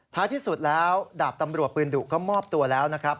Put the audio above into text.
ที่สุดแล้วดาบตำรวจปืนดุก็มอบตัวแล้วนะครับ